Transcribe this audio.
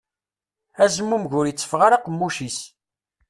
Azmumeg ur itteffeɣ ara aqemmuc-is.